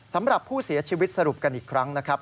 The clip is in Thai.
สำหรับผู้เสียชีวิตสรุปกันอีกครั้งนะครับ